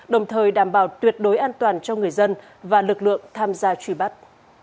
đồng thời đảm bảo tuyệt đối an toàn cho người dân và lực lượng tham gia truy bắt